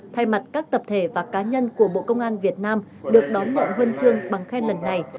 thay mặt các tập thể và cá nhân của bộ công an việt nam được đón nhận huân chương bằng khen lần này